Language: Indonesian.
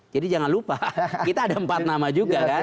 jadi jangan lupa kita ada empat nama juga kan